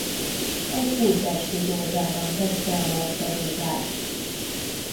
Az Újpesti Dózsában kezdte a labdarúgást.